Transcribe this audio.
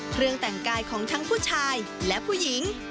เครื่องแต่งกายของทั้งผู้ชายและผู้หญิง